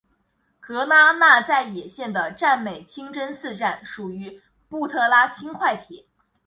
格拉那再也线的占美清真寺站属于布特拉轻快铁。